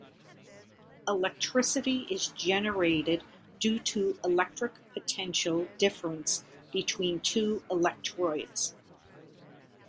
Electricity is generated due to electric potential difference between two electrodes.